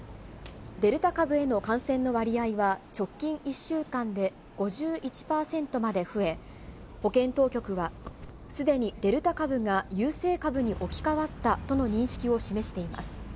デルタ株への感染の割合は、直近１週間で５１％まで増え、保健当局は、すでにデルタ株が優勢株に置き換わったとの認識を示しています。